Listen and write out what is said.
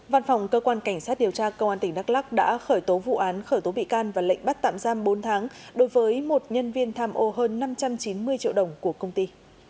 văn phòng cơ quan cảnh sát điều tra công an tỉnh đắk lắc đã khởi tố vụ án khởi tố bị can và lệnh bắt tạm giam bốn tháng đối với một nhân viên tham ô hơn năm trăm chín mươi triệu đồng của công ty